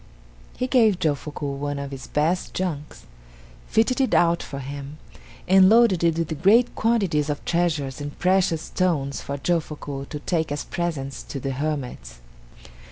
He gave Jofuku one of his best junks, fitted it out for him, and loaded it with great quantities of treasures and precious stones for Jofuku to take as presents to the hermits.